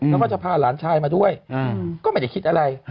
แล้วก็จะพาหลานชายมาด้วยก็ไม่ได้คิดอะไร